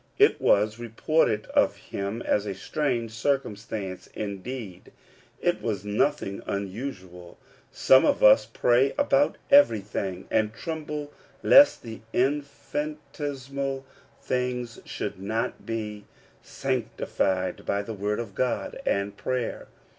It was reported of him as a strange circumstance. Indeed, it was nothing unusual : some of us pray about everything, and tremble lest the infinitesimal things should not be sanctified by the word of God and prayer.